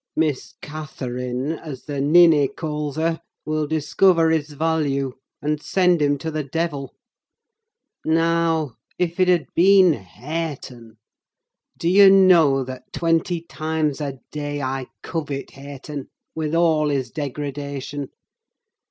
"Miss Catherine, as the ninny calls her, will discover his value, and send him to the devil. Now, if it had been Hareton!—Do you know that, twenty times a day, I covet Hareton, with all his degradation?